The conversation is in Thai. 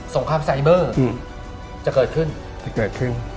สงครามทิศจะเกิดขึ้น